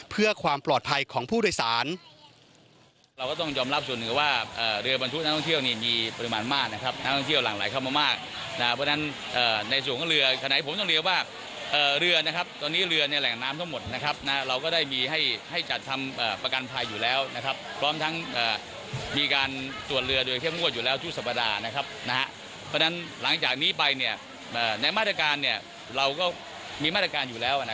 เพื่อความปลอดภัยของผู้โดยสาร